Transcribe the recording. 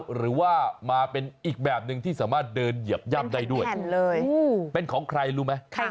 หรือว่ามาเป็นอีกแบบหนึ่งที่สามารถเดินเหยียบย่ำได้ด้วยเป็นของใครรู้ไหม